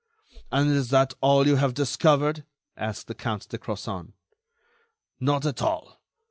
"And is that all you have discovered?" asked the Count de Crozon. "Not at all.